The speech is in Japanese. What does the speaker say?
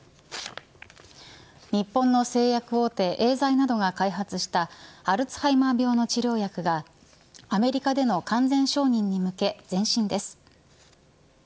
日本の製薬大手エーザイなどが開発したアルツハイマー病の治療薬がアメリカでの完全承認に向け前進です。